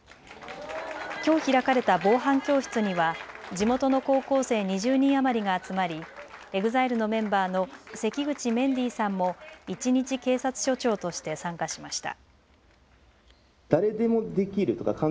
きょう開かれた防犯教室には地元の高校生２０人余りが集まりＥＸＩＬＥのメンバーの関口メンディーさんも一日警察署長として参加しました。